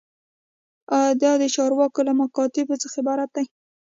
دا د چارواکو له مکاتیبو څخه عبارت دی.